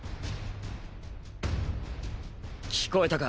聞こえたか？